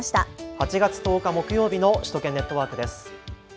８月１０日木曜日の首都圏ネットワークです。